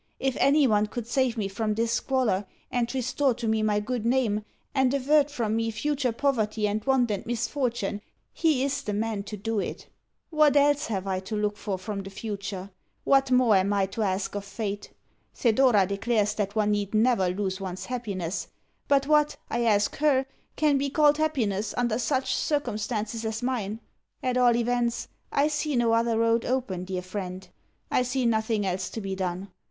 If anyone could save me from this squalor, and restore to me my good name, and avert from me future poverty and want and misfortune, he is the man to do it. What else have I to look for from the future? What more am I to ask of fate? Thedora declares that one need NEVER lose one's happiness; but what, I ask HER, can be called happiness under such circumstances as mine? At all events I see no other road open, dear friend. I see nothing else to be done.